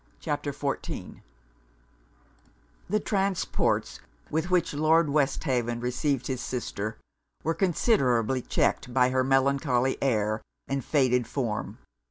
CHAPTER XIV The transports with which Lord Westhaven received his sister, were considerably checked by her melancholy air and faded form.